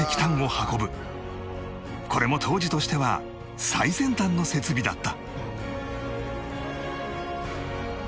これも当時としては最先端の設備だった